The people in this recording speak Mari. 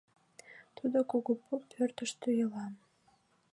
Тудо кугу пу пӧртыштӧ ила...